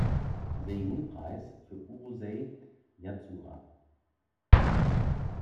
Seiun-Preis für "Urusei Yatsura".